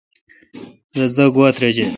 رس دا گوا ترجہ ۔